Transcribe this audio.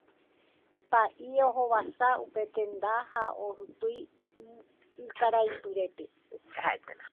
Pa'i ohovasa upe tenda ha ohypýi ykaraipyrépe.